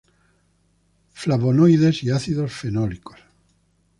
Flavonoides y ácidos fenólicos.